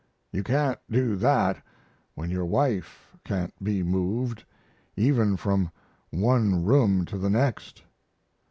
You can't do that when your wife can't be moved, even from one room to the next.